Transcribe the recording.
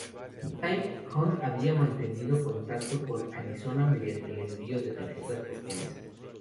En Siam, Hunt había mantenido contacto con Arizona mediante el envío de tarjetas postales.